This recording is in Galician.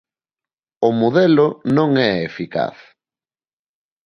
O modelo non é eficaz.